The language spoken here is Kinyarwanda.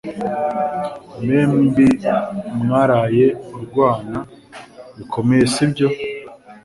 Mwembi mwaraye urwana bikomeye sibyo